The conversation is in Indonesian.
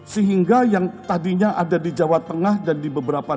sehingga yang tadinya ada di jawa tengah dan di beberapa